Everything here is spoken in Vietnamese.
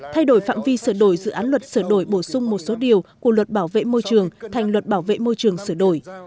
thay đổi phạm vi sửa đổi dự án luật sửa đổi bổ sung một số điều của luật bảo vệ môi trường thành luật bảo vệ môi trường sửa đổi